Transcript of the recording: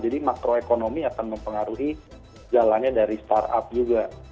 jadi makro ekonomi akan mempengaruhi jalannya dari startup juga